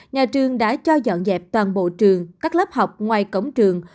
nhà trường đã cho dọn dẹp toàn bộ trường các lớp học ngoài cổng trường